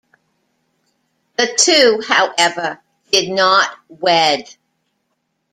The two however did not wed.